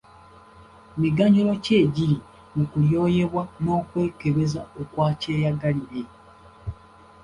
Miganyulo ki egiri mu kulyoyebwa n’okwekebeza okwa kyeyagalire?